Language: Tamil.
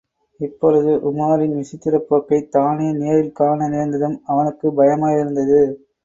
இப்பொழுது உமாரின் விசித்திரப் போக்கைத் தானே நேரில் காண நேர்ந்ததும் அவனுக்குப் பயமாயிருந்தது.